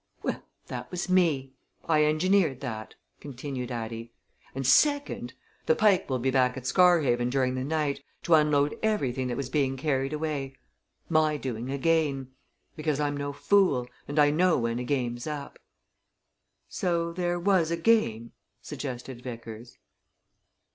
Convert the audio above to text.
"Well, that was me! I engineered that," continued Addie. "And second the Pike will be back at Scarhaven during the night, to unload everything that was being carried away. My doing, again! Because, I'm no fool, and I know when a game's up." "So there was a game?" suggested Vickers.